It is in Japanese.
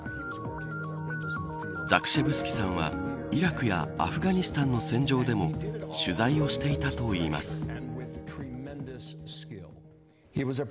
ザクシェブスキさんはイラクやアフガニスタンの戦場でも取材をしていたといいます。